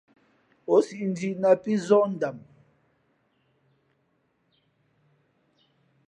Ǒ siʼ njǐ nāt pí zᾱh ndam.